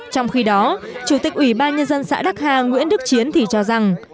trong khi đó chủ tịch ủy ban nhân dân xã đắc hà nguyễn đức chiến thì cho rằng